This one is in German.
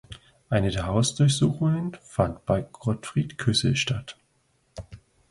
Eine der Hausdurchsuchungen fand bei Gottfried Küssel statt.